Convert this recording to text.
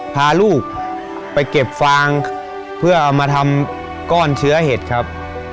พาลูกไปเก็บฟางเพื่อเอามาทำก้อนเชื้อเห็ดครับ